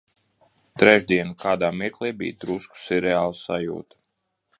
Trešdiena. Kādā mirklī bija drusku sirreāla sajūta.